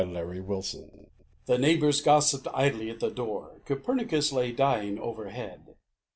I COPERNICUS The neighbours gossiped idly at the door. Copernicus lay dying overhead.